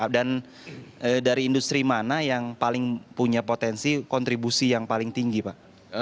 dan dari industri mana yang paling punya potensi kontribusi yang paling tinggi pak